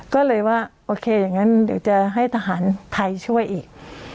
ก็เลยว่าโอเคอย่างนั้นเดี๋ยวจะให้ทหารไทยช่วยอีก